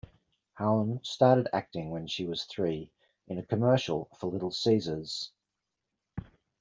Haun started acting when she was three, in a commercial for Little Caesars.